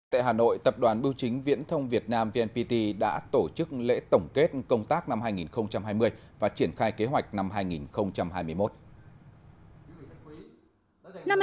tại hà nội tập đoàn bưu chính viễn thông việt nam vnpt đã tổ chức lễ tổng kết công tác năm hai nghìn hai mươi và triển khai kế hoạch năm hai nghìn hai mươi một